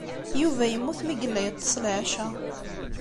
Yuba yemmut mi yella yeṭṭes, leɛca.